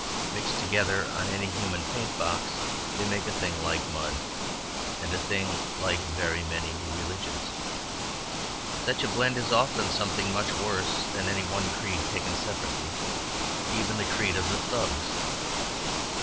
Mixed together on any human paint box, they make a thing like mud, and a thing very like many new religions. Such a blend is often something much worse than any one creed taken separately, even the creed of the Thugs.